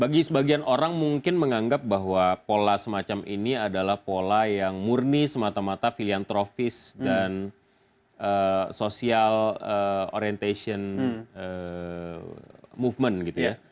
bagi sebagian orang mungkin menganggap bahwa pola semacam ini adalah pola yang murni semata mata filiantrofis dan social orientation movement gitu ya